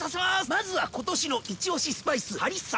まずは今年のイチオシスパイスハリッサ！